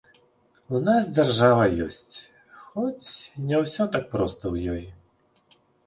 У нас дзяржава ёсць, хоць не ўсё так проста ў ёй.